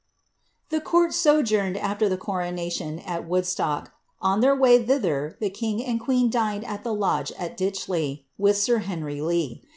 * The court sojourned, after the coronation, at Woodstock. On their way thither, the king and queen dined at the lodge at Ditchley, with sir Henry Lee.